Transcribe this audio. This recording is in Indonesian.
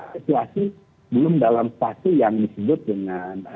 situasi belum dalam fase yang disebut dengan